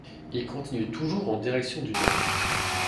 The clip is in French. Il continue toujours en direction du nord.